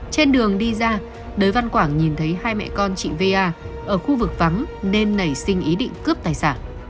trên đường đi ra đới văn quảng nhìn thấy hai mẹ con chị va ở khu vực vắng nên nảy sinh ý định cướp tài sản